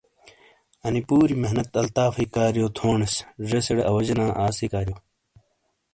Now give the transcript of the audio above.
انے پوری محنت الطافۓ کاریو تو تھونیس۔ زیسے ڑے آواجے نا آسی کاریو۔